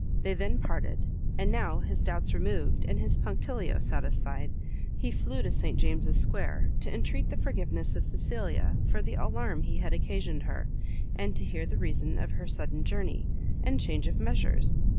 They then parted; and now, his doubts removed, and his punctilio satisfied, he flew to St James's square, to entreat the forgiveness of Cecilia for the alarm he had occasioned her, and to hear the reason of her sudden journey, and change of measures.